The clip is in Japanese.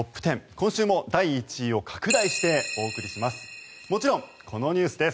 今週も第１位を拡大してお送りします。